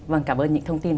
vâng cảm ơn những thông tin